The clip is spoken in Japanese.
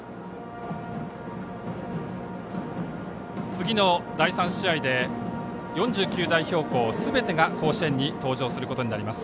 次の第３試合で、４９代表校すべてが甲子園に登場することになります。